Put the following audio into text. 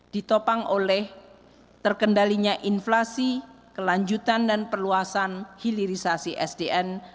ditopang oleh terkendalinya inflasi kelanjutan dan perluasan hilirisasi sdm